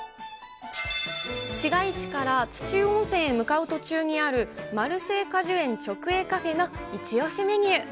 市街地から土湯温泉へ向かう途中にある、まるせい果樹園直営カフェの一押しメニュー。